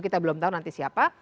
kita belum tahu nanti siapa